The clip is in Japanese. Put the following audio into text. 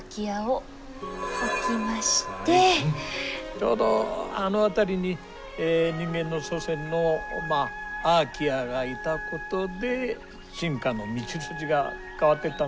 ちょうどあの辺りに人間の祖先のまあアーキアがいたことで進化の道筋が変わってったんですよ。